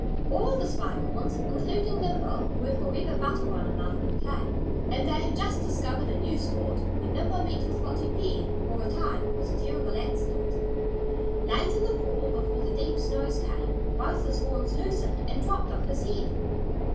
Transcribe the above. All the Spike Horns, including Nimble, were forever butting one another in play. And they had just discovered a new sport when Nimble met with what he feared, for a time, was a terrible accident. Late in the fall, before the deep snows came, both his horns loosened and dropped off his head.